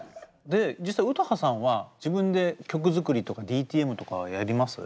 で実際詩羽さんは自分で曲作りとかＤＴＭとかはやります？